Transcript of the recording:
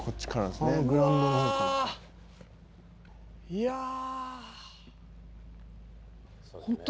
いやあ。